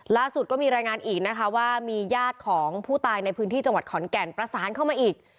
ล่าสุดก็มีรายงานอีกนะคะว่ามีญาติของผู้ตายในพื้นที่จังหวัดขอนแก่นประสานเข้ามาอีก